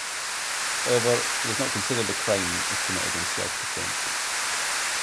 However, it is not considered a crime if committed in self-defense.